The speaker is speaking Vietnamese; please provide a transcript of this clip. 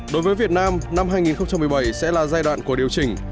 đối với việt nam năm hai nghìn một mươi bảy sẽ là giai đoạn của điều chỉnh